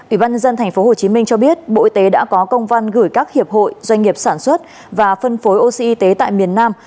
ủy ban nhân dân tp hcm cho biết bộ y tế đã có công văn gửi các hiệp hội doanh nghiệp sản xuất và phân phối oxy y tế tại miền nam